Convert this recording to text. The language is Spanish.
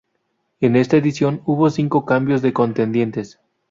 En esta edición hubo cinco cambios de contendientes.